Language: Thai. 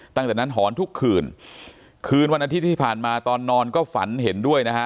ตั้งแต่นั้นหอนทุกคืนคืนวันอาทิตย์ที่ผ่านมาตอนนอนก็ฝันเห็นด้วยนะฮะ